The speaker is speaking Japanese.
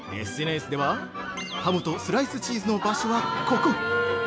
ちなみにＳＮＳでは「ハムとスライスチーズの場所はここ！」